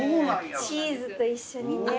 チーズと一緒にね。